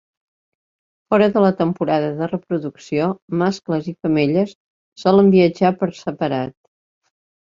Fora de la temporada de reproducció, mascles i femelles solen viatjar per separat.